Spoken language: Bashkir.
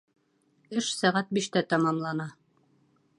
Эш сәғәт биштә тамамлана.